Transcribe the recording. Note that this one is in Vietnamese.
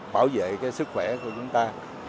giảo dệ cái sức khỏe của chúng ta